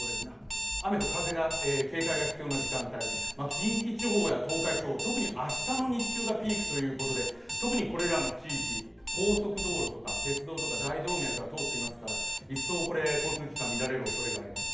近畿地方や東海地方、特に明日の日中がピークということで特にこれらの地域、高速道路とか鉄道とか大動脈が通っていますから、一層交通機関が乱れるおそれがあります。